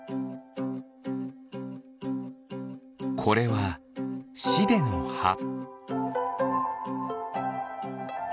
これはシデのは。